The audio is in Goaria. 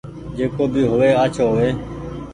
جڪو بي هووي آچهو هووي